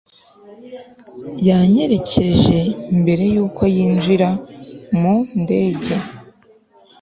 yanyerekeje mbere yuko yinjira mu ndege